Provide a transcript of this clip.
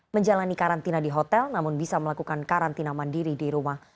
menjalani karantina di hotel namun bisa melakukan karantina mandiri di rumah